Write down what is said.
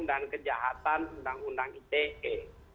dan kejahatan undang undang ite